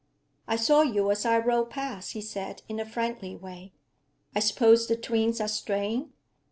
'I saw you as I rode past,' he said, in a friendly way. 'I suppose the twins are straying?'